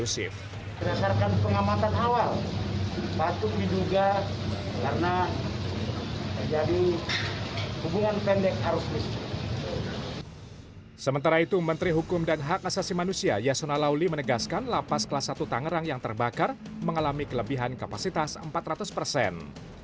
sementara itu menteri hukum dan hak asasi manusia yasona lauli menegaskan lapas kelas satu tangerang yang terbakar mengalami kelebihan kapasitas empat ratus persen